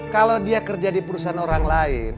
kalau dia kerja di perusahaan orang lain